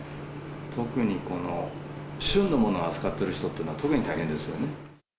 特にこの旬のものを扱っている人っていうのは、特に大変ですよね。